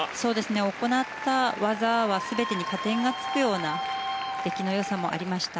行った技は全てに加点がつくような出来のよさもありました。